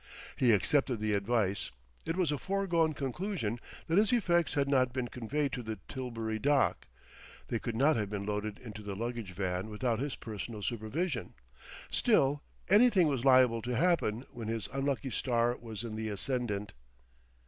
He accepted the advice; it was a foregone conclusion that his effects had not been conveyed to the Tilbury dock; they could not have been loaded into the luggage van without his personal supervision. Still, anything was liable to happen when his unlucky star was in the ascendant.